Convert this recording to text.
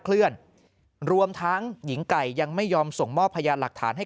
เคลื่อนรวมทั้งหญิงไก่ยังไม่ยอมส่งมอบพยานหลักฐานให้